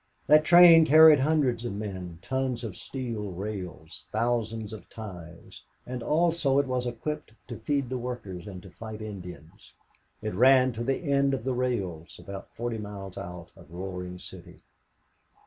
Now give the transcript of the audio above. That train carried hundreds of men, tons of steel rails, thousands of ties; and also it was equipped to feed the workers and to fight Indians. It ran to the end of the rails, about forty miles out of Roaring City.